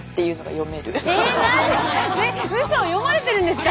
読まれてるんですか？